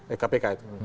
eh kpk itu